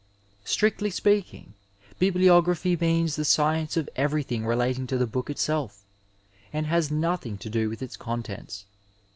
Strictly speaking, bibliography means the science of everything relating to the book itself, and has nothing to do with its contents.